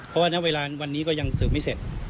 เพราะว่าณเวลาวันนี้ก็ยังสืบไม่เสร็จ